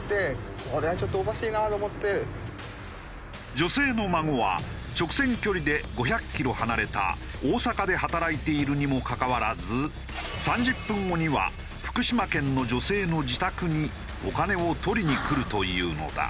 女性の孫は直線距離で５００キロ離れた大阪で働いているにもかかわらず３０分後には福島県の女性の自宅にお金を取りに来るというのだ。